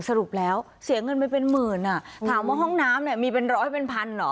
สรุปแล้วเสียเงินไปเป็นหมื่นอ่ะถามว่าห้องน้ำเนี่ยมีเป็นร้อยเป็นพันเหรอ